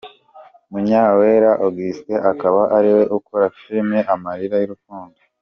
Munyawera Augustin, akaba ariwe ukora filime Amarira y'urukundo.